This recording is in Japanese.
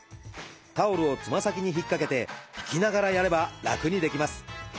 タオルをつま先に引っ掛けて引きながらやれば楽にできます。